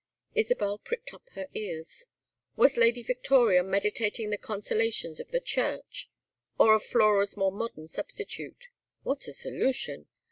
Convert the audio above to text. Isabel pricked up her ears. Was Lady Victoria meditating the consolations of the Church or of Flora's more modern substitute? What a solution!